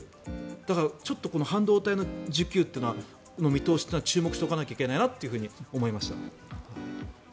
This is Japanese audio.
だから、半導体の需給の見通しというのは注目しておかなきゃいけないなと思いました。